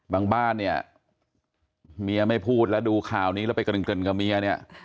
บ้านเนี่ยเมียไม่พูดแล้วดูข่าวนี้แล้วไปเกริ่นกับเมียเนี่ย